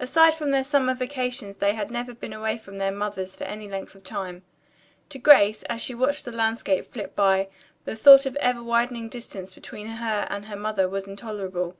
Aside from their summer vacations they had never been away from their mothers for any length of time. To Grace, as she watched the landscape flit by, the thought of the ever widening distance between her and her mother was intolerable.